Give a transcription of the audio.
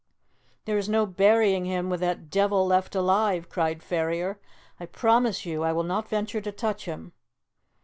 "There is no burying him with that devil left alive!" cried Ferrier. "I promise you I will not venture to touch him."